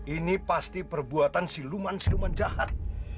ini pasti perbuatan siluman siluman jahat